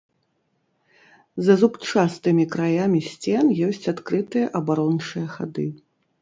За зубчастымі краямі сцен ёсць адкрытыя абарончыя хады.